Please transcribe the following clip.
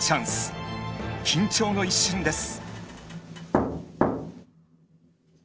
緊張の一瞬です。